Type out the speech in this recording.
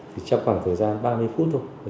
thì trong khoảng thời gian ba mươi phút thôi